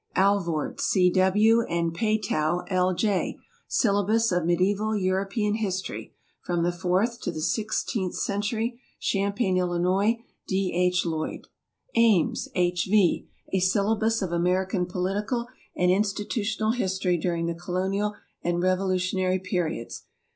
ALVORD, C. W., and PAETOW, L. J. "Syllabus of Mediæval European History" (from the fourth to the sixteenth century). Champaign, Ill., D. H. Lloyd. AMES, H. V. "A Syllabus of American Political and Institutional History During the Colonial and Revolutionary Periods."